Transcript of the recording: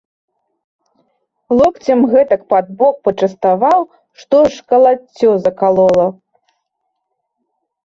Локцем гэтак пад бок пачаставаў, што аж калаццё закалола.